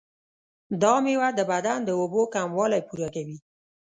دا میوه د بدن د اوبو کموالی پوره کوي.